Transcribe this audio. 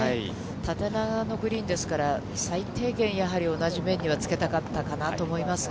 縦長のグリーンですから、最低限、やはり同じ面にはつけたかったかなと思いますが。